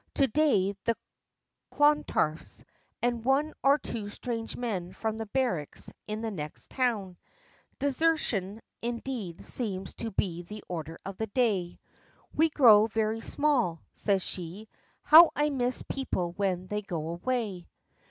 To day the Clontarfs, and one or two strange men from the barracks in the next town. Desertion indeed seems to be the order of the day. "We grow very small," says she. "How I miss people when they go away."